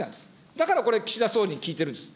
だからこれ、岸田総理に聞いてるんです。